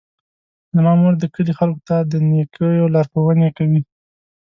زما مور د کلي خلکو ته د نیکیو لارښوونې کوي.